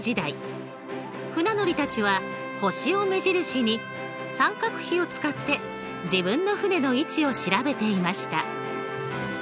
船乗りたちは星を目印に三角比を使って自分の船の位置を調べていました。